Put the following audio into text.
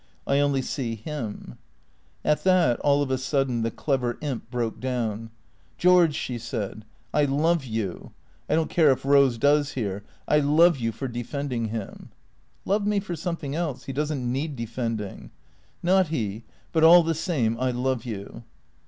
" I only see him/' At that, all of a sudden, the clever imp broke down. " George," she said, " I love you — I don't care if Eose does hear — I love you for defending him." " Love me for something else. He does n't need defending." " Not he ! But all the same I love you."